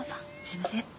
すいません。